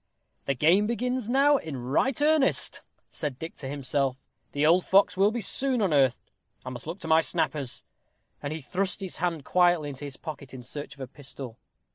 "The game begins now in right earnest," said Dick to himself; "the old fox will be soon unearthed. I must look to my snappers." And he thrust his hand quietly into his pocket in search of a pistol.